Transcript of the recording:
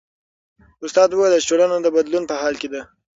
استاد وویل چې ټولنه د بدلون په حال کې ده.